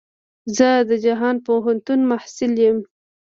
زه د جهان پوهنتون محصل يم.